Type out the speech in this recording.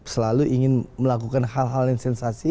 memang selalu ingin melakukan hal hal yang sensasional